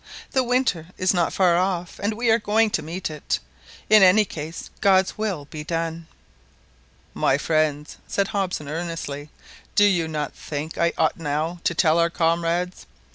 The winter is not far off, and we are going to meet it. In any case God's will be done!" "My friends," said Hobson earnestly, "do you not think I ought now to tell our comrades.